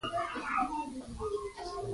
لږ اوبه راکړه.